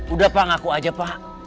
udah pak ngaku aja pak